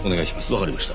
わかりました。